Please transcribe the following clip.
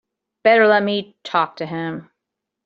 Better let me talk to him.